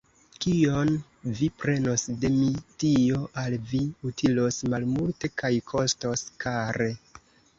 Kion vi prenos de mi, tio al vi utilos malmulte kaj kostos kare.